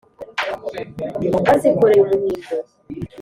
bazikoreye umuhindo.